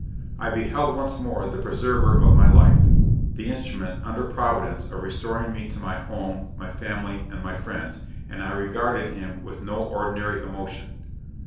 I beheld once more the preserver of my life; the instrument, under Providence, of restoring me to my home, my family, and my friends, and I regarded him with no ordinary emotion.